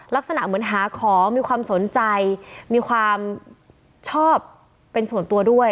ลักษณะเหมือนหาของมีความสนใจมีความชอบเป็นส่วนตัวด้วย